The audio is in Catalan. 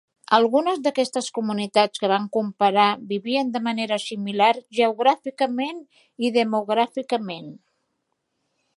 Algunes d'aquestes comunitats que van comparar vivien de manera similar geogràficament i demogràficament.